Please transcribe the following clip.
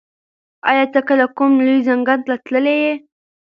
ایا ته کله کوم لوی ځنګل ته تللی یې؟